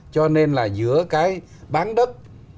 cho nên là giữa cái bán đất